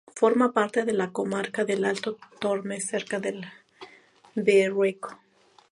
Forma parte de la comarca del Alto Tormes.Cerca del Berrueco.